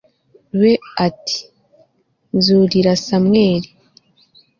we ati Nzurira Samweli